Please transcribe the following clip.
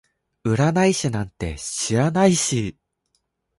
占い師なんて知らないし